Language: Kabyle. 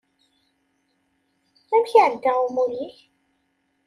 Amek iεedda umulli-k?